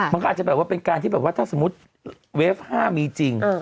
มันก็อาจจะแบบว่าเป็นการที่แบบว่าถ้าสมมุติเวฟ๕มีจริง